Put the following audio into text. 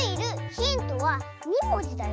ヒントは２もじだよ。